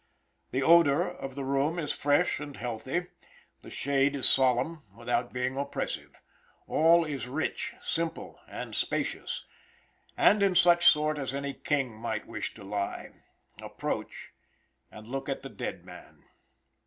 The odor of the room is fresh and healthy; the shade is solemn, without being oppressive. All is rich, simple, and spacious, and in such sort as any king might wish to lie. Approach and look at the dead man.